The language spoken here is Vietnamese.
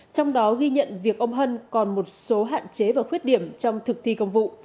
trong đó ghi nhận việc ông hân còn một số hạn chế và khuyết điểm trong thực thi công vụ